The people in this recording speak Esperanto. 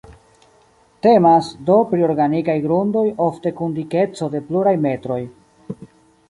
Temas, do pri organikaj grundoj ofte kun dikeco de pluraj metroj.